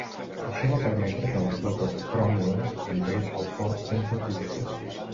Això va permetre que la flota de Cromwell entrés al port sense oposició.